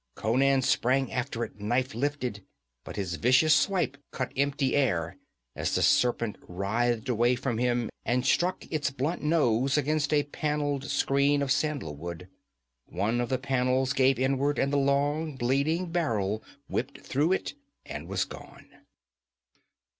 Conan sprang after it, knife lifted, but his vicious swipe cut empty air as the serpent writhed away from him and struck its blunt nose against a paneled screen of sandalwood. One of the panels gave inward and the long, bleeding barrel whipped through it and was gone.